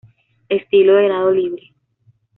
Estilo de nado libre.